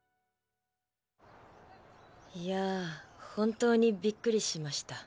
いや本当にびっくりしました。